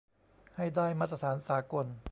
ให้ได้มาตรฐานสากล